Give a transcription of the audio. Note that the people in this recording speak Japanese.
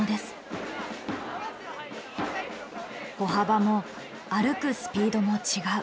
歩幅も歩くスピードも違う。